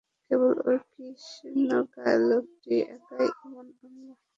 কেবল ঐ কৃষ্ণকায় লোকটি একাই ঈমান আনল।